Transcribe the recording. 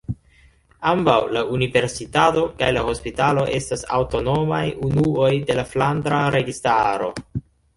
Ambaŭ la universitato kaj la hospitalo estas aŭtonomaj unuoj de la Flandra Registaro.